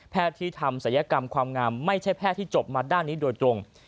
ที่ทำศัลยกรรมความงามไม่ใช่แพทย์ที่จบมาด้านนี้โดยตรง